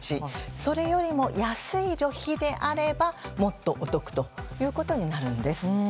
それよりも安い旅費であればもっとお得ということになるんです。